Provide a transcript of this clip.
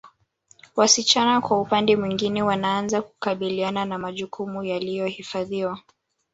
Wasichana kwa upande mwingine wanaanza kukabiliana na majukumu yaliyohifadhiwa